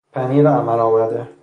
پنیر عمل آمده